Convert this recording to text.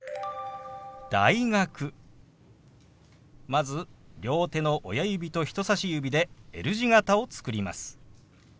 まず両手の親指と人さし指でＬ字形を作ります。